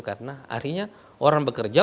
karena artinya orang bekerja